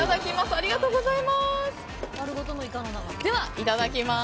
ありがとうございます。